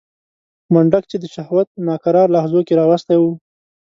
منډک چې د شهوت ناکرار لحظو کې راوستی و.